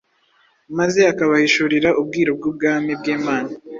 maze akabahishurira ubwiru bw’Ubwami bw’Imana.